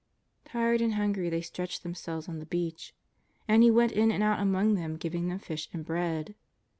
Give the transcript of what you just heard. Tired and hungry, they stretched themselves on the beach. And He went in and out among them giving them fish and bread.